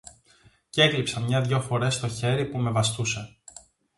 Κι έγλειψα μια δυο φορές το χέρι που με βαστούσε